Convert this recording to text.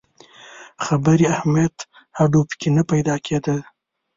خبري اهمیت هډو په کې نه پیدا کېده.